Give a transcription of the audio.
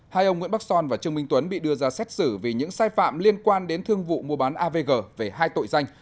hai ông nguyễn bắc son và trương minh tuấn bị đưa ra xét xử vì những sai phạm liên quan đến thương vụ mua bán avg về hai tội danh